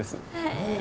へえ。